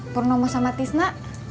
pernah mau sama tisna